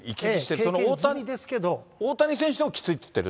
その大谷選手でもきついって言ってる。